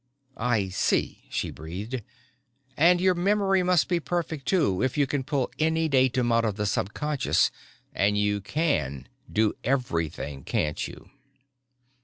"I see," she breathed. "And your memory must be perfect too, if you can pull any datum out of the subconscious. And you can do everything, can't you?"